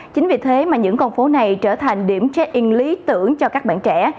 chính vì thế mà những con phố này trở thành điểm check in lý tưởng cho các bạn trẻ